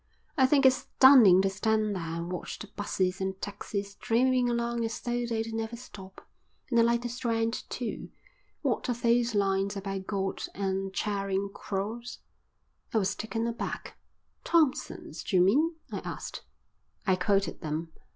I think it's stunning to stand there and watch the buses and taxis streaming along as though they'd never stop. And I like the Strand too. What are those lines about God and Charing Cross?" I was taken aback. "Thompson's, d'you mean?" I asked. I quoted them.